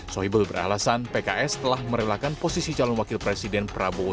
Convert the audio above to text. sohibul beralasan pks telah merelakan posisi calon wakil presiden prabowo